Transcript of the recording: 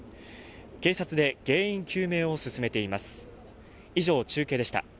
警察で原因究明を進めています